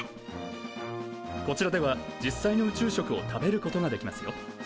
こちらでは実際の宇宙食を食べることができますよ。